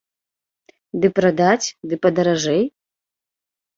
Ды прадаць, ды падаражэй?